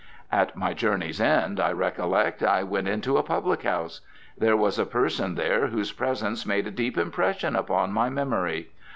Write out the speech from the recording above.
At my journey's end, I recollect, I went into a public house. There was a person there whose presence made a deep impression upon my memory.